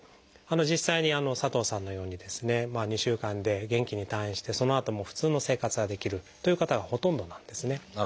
実際に佐藤さんのようにですね２週間で元気に退院してそのあとも普通の生活ができるという方がほとんどなんですね。